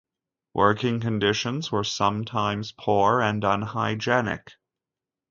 Working conditions were sometimes poor and unhygienic.